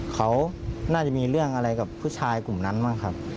เขาน่าจะมีเรื่องอะไรกับผู้ชายกลุ่มนั้นบ้างครับ